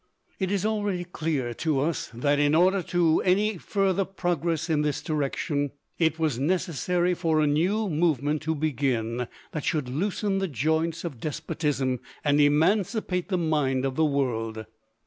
It is already clear to us that, in order to any further progress in this direction, it was necessary for a new movement to begin that should loosen the joints of despotism and emancipate the mind of the world.